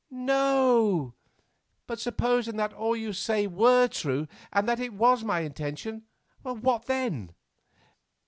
"No; but supposing that all you say were true, and that it was my intention, what then?"